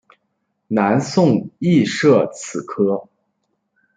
南宋亦设此科。